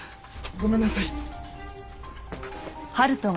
ごめんなさい。